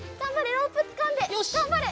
ロープつかんでがんばれ！